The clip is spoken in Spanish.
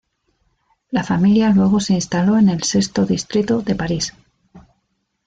La familia luego se instaló en el sexto distrito de París.